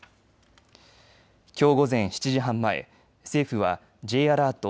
きょう午前７時半前、政府はＪアラート